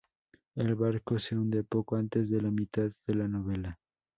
El barco se hunde poco antes de la mitad de la novela.